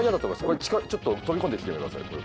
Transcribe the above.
これちょっと飛び込んできてください。